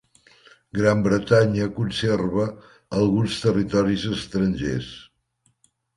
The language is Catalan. Gran Bretanya conserva alguns territoris estrangers.